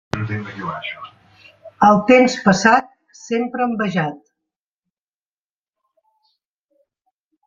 El temps passat, sempre envejat.